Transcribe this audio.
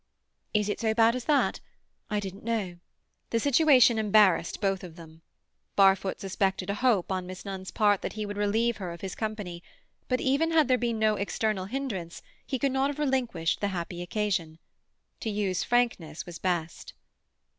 "Is it so bad as that? I didn't know." The situation embarrassed both of them. Barfoot suspected a hope on Miss Nunn's part that he would relieve her of his company, but, even had there been no external hindrance, he could not have relinquished the happy occasion. To use frankness was best.